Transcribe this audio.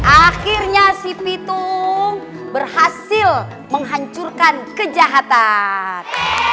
akhirnya si pitung berhasil menghancurkan kejahatan